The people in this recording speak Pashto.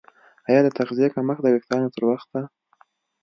ایا د تغذیې کمښت د ویښتانو تر وخته